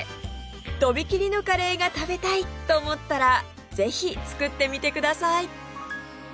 とびきりのカレーが食べたい！と思ったらぜひ作ってみてください